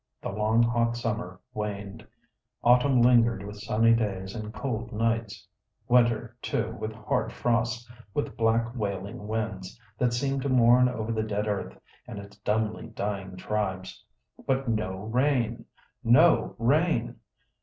The long, hot summer waned. Autumn lingered with sunny days and cold nights. Winter too, with hard frosts, with black wailing winds, that seemed to mourn over the dead earth and its dumbly dying tribes. But no rain! No rain!